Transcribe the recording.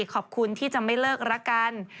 ขอบคุณที่จะไม่เลิกรักกัน